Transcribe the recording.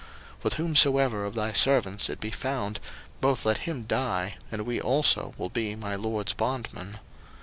01:044:009 With whomsoever of thy servants it be found, both let him die, and we also will be my lord's bondmen.